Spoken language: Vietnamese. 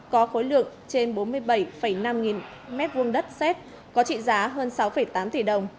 có khối lượng trên bốn mươi bảy năm nghìn mét vuông đất xét có trị giá hơn sáu tám tỷ đồng